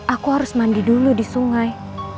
aku harus mandi dulu di sungai